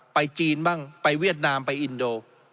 จีนบ้างไปเวียดนามไปอินโด